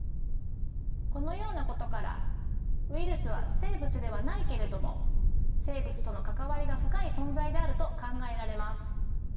このようなことからウイルスは生物ではないけれども生物との関わりが深い存在であると考えられます。